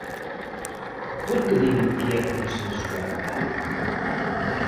¿Por que digo que é consensuada?